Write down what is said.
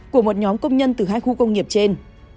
của một nhóm công nhân từ hai khu công nghiệp trên